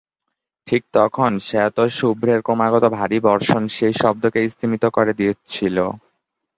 ঠিক তখন শেতশুভ্রের ক্রমাগত ভারী বর্ষণ সেই শব্দকে স্তিমিত করে দিচ্ছিল।